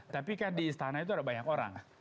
tapi kan di istana itu ada banyak orang